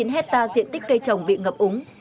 bốn mươi chín hectare diện tích cây trồng bị ngập úng